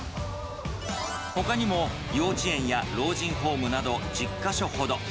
ほかにも、幼稚園や老人ホームなど１０か所ほど。